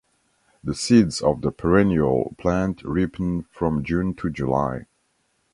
The seeds of the perennial plant ripen from June to July.